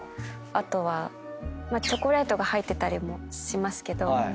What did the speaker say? あとはチョコレートが入ってたりもしますけど。